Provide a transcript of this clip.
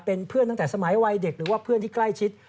เป็นเพื่อนตั้งแต่สมัยวัยเด็กหรือว่าเพื่อนที่ใกล้ชิด